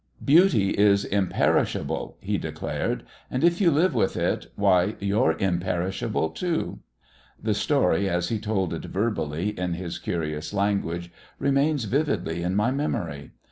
"Beauty is imperishable," he declared, "and if you live with it, why, you're imperishable too!" The story, as he told it verbally in his curious language, remains vividly in my memory.